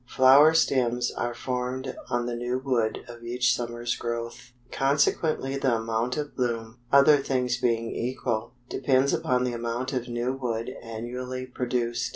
Flower stems are formed on the new wood of each summer's growth, consequently the amount of bloom, other things being equal, depends upon the amount of new wood annually produced.